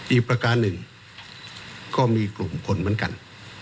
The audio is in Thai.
ประการหนึ่งก็มีกลุ่มคนเหมือนกัน